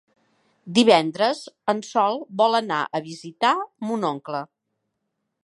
Divendres en Sol vol anar a visitar mon oncle.